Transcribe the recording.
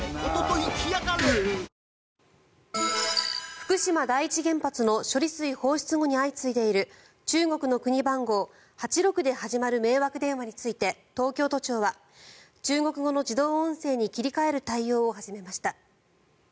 福島第一原発の処理水放出後に相次いでいる中国の国番号８６で始まる迷惑電話について、東京都庁は中国語の自動音声に切り替える対応を始めました。